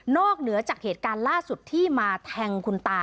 เหนือจากเหตุการณ์ล่าสุดที่มาแทงคุณตา